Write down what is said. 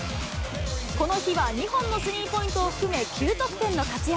この日は２本のスリーポイントを含め、９得点の活躍。